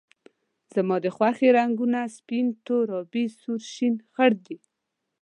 زما د خوښې رنګونه سپین، تور، آبي ، سور، شین ، خړ دي